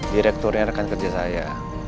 direkturnya rekan kerja saya